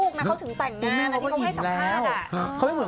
เขาจึงต่างดีใดไปในแรก